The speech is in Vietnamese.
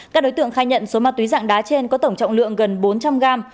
các đối tượng khai nhận số ma túy dạng đá trên có tổng trọng lượng gần bốn trăm linh gram